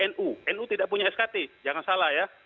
nu nu tidak punya skt jangan salah ya